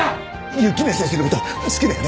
雪宮先生の事好きだよね？